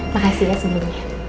makasih ya sebelumnya